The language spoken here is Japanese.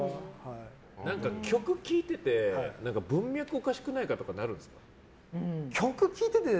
曲を聴いてて文脈おかしくないか？とかなるんですか。